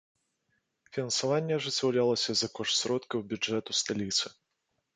Фінансаванне ажыццяўлялася за кошт сродкаў бюджэту сталіцы.